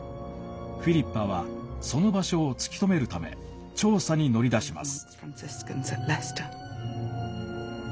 フィリッパはその場所を突き止めるため調査に乗り出します。